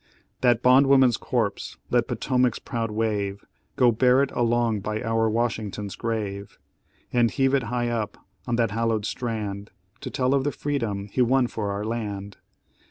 "That bond woman's corpse let Potomac's proud wave Go bear it along by our Washington's grave, And heave it high up on that hallowed strand, To tell of the freedom he won for our land.